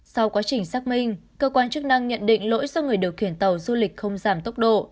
sau quá trình xác minh cơ quan chức năng nhận định lỗi do người điều khiển tàu du lịch không giảm tốc độ